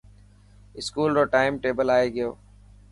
اسڪول رو ٽائم ٽيبل آي گيو.